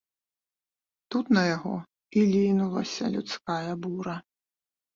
Тут на яго і лінулася людская бура.